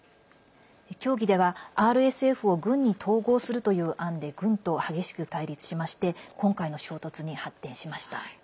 協議では、ＲＳＦを軍に統合するという案で軍と激しく対立しまして今回の衝突に発展しました。